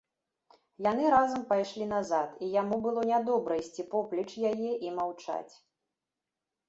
Яны разам пайшлі назад, і яму было нядобра ісці поплеч яе і маўчаць.